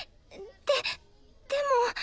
でっでも。